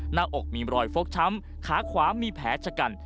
หน้าอกมีรอยฟกช้ำขาขวามีแผลชะกัน